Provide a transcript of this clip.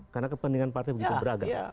karena kepentingan partai begitu beragam